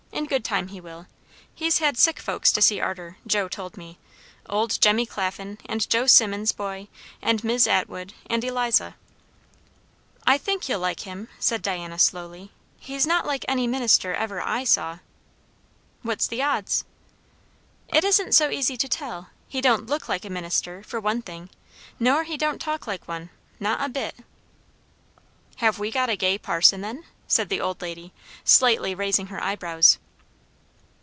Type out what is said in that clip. In good time he will. He's had sick folks to see arter, Joe told me; old Jemmy Claflin, and Joe Simmons' boy; and Mis' Atwood, and Eliza." "I think you'll like him," said Diana slowly. "He's not like any minister ever I saw." "What's the odds?" "It isn't so easy to tell. He don't look like a minister, for one thing; nor he don't talk like one; not a bit." "Have we got a gay parson, then?" said the old lady, slightly raising her eyebrows.